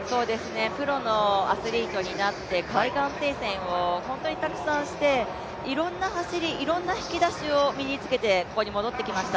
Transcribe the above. プロのアスリートになって、海外転戦を本当にたくさんしていろんな走り、いろんな引き出しを身につけてここに戻ってきました。